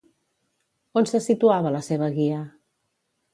On se situava la seva guia?